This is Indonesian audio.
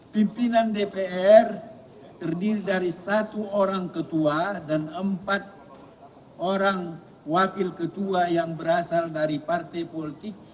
pimpinan dpr terdiri dari satu orang ketua dan empat orang wakil ketua yang berasal dari partai politik